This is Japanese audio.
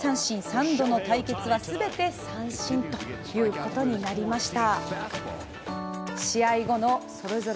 ３度の対決は全て三振ということになりました。